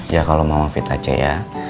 ya kalau mama fit aja ya